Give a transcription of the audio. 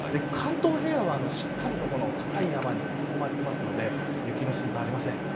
関東平野は、しっかりと高い山に囲まれているので雪の心配はありません。